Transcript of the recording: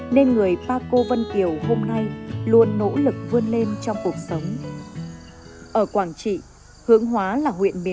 nên người bác hồ thị vươn vẫn luôn làm hết sức mình vì bản làng